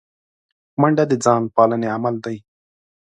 منډه د ځان پالنې عمل دی